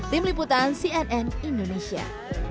tim liputan cnn indonesia